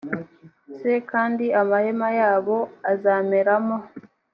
s kandi amahema yabo azameramo